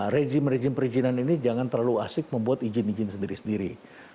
rejim rejim perizinan ini jangan terlalu asik membuat izin izin sendiri sendiri